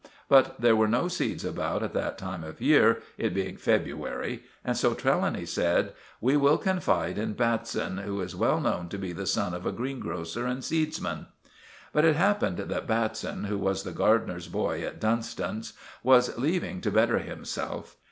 But there were no seeds about at that time of the year, it being February, and so Trelawny said— "We will confide in Batson, who is well known to be the son of a greengrocer and seedsman." But it happened that Batson, who was the gardener's boy at Dunstan's, was leaving to better himself.